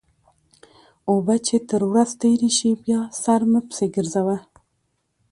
اوبه چې تر ورخ تېرې شي؛ بیا سر مه پسې ګرځوه.